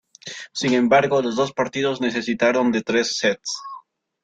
Sin embargo, los dos partidos necesitaron de tres sets.